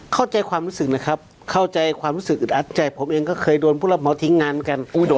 เข้าใจความรู้สึกนะครับเข้าใจความรู้สึกอึดอัดใจผมเองก็เคยโดนผู้รับเหมาทิ้งงานกัน